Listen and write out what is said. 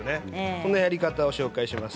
そのやり方をご紹介します。